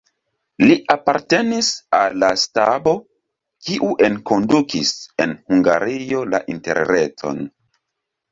Li apartenis al la stabo, kiu enkondukis en Hungario la interreton.